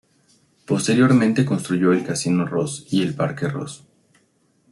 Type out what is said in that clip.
Posteriormente construyó el Casino Ross y el Parque Ross.